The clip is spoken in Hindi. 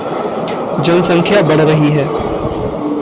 जनसंख्या बढ़ रही है।